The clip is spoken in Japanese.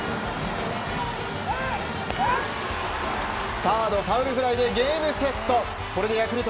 サードファウルフライでゲームセット！